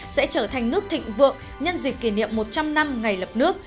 sẽ trở thành nước thịnh vượng nhân dịp kỷ niệm một trăm linh năm ngày lập nước